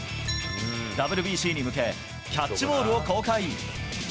ＷＢＣに向け、キャッチボールを公開。